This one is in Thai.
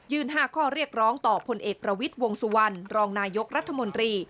๕ข้อเรียกร้องต่อพลเอกประวิทย์วงสุวรรณรองนายกรัฐมนตรี